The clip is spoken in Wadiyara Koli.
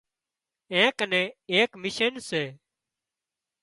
اين ڪنين ايڪ مشين سي